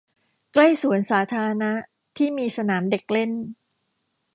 ใกล้สวนสาธารณะที่มีสนามเด็กเล่น